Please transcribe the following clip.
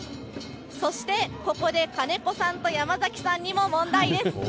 そして、ここで金子さんと山崎さんにも問題です。